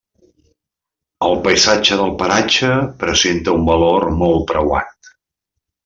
El paisatge del paratge presenta un valor molt preuat.